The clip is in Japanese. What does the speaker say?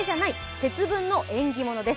節分の縁起物」です。